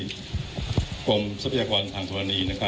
คุณผู้ชมไปฟังผู้ว่ารัฐกาลจังหวัดเชียงรายแถลงตอนนี้ค่ะ